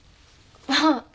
ああ。